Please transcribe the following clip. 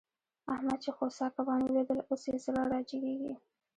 احمد چې خوسا کبان وليدل؛ اوس يې زړه را جيګېږي.